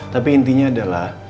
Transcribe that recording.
tapi intinya adalah